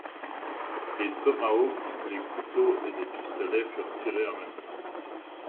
Les tomahawks, les couteaux et les pistolets furent tirés en même temps.